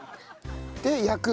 で焼く？